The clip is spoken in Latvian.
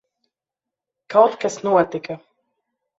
Kaut kas notika.